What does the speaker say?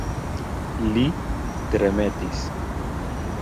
Li tremetis.